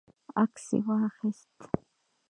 عکس یې واخیست.